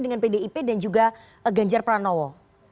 dengan pdip dan juga ganjar pranowo